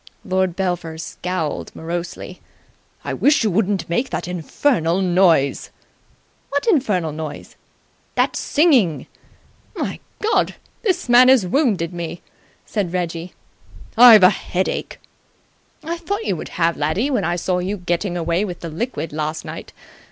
Lord Belpher scowled morosely. "I wish you wouldn't make that infernal noise!" "What infernal noise?" "That singing!" "My God! This man has wounded me!" said Reggie. "I've a headache." "I thought you would have, laddie, when I saw you getting away with the liquid last night.